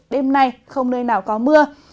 đêm nay không nơi nào có mưa